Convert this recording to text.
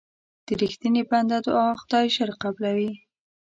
د رښتیني بنده دعا خدای ژر قبلوي.